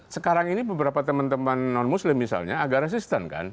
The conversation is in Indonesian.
sekarang ini beberapa teman teman non muslim misalnya agak resisten kan